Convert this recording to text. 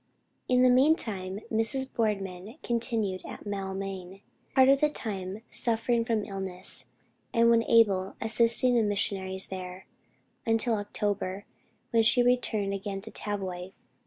In the meantime Mrs. Boardman continued at Maulmain, part of the time suffering from illness, and when able, assisting the missionaries there, until October, when she returned again to Tavoy.